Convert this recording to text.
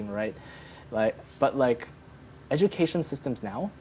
sistem pendidikan sekarang